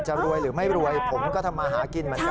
รวยหรือไม่รวยผมก็ทำมาหากินเหมือนกัน